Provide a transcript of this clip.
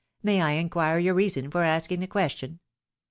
May I inquire your reason for asking the question